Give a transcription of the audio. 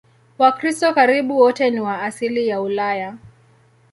Wakristo karibu wote ni wa asili ya Ulaya.